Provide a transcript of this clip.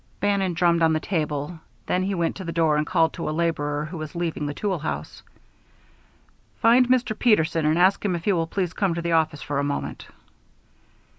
Bannon drummed on the table; then he went to the door and called to a laborer who was leaving the tool house: "Find Mr. Peterson and ask him if he will please come to the office for a moment."